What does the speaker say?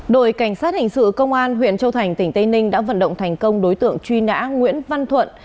đội cảnh sát hình sự công an huyện châu thành tỉnh tây ninh đã vận động thành công đối tượng truy nã nguyễn văn thuận